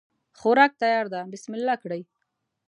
خوراک تیار ده بسم الله کړی